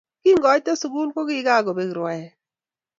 kingoite sukul ko kikakobek rwaek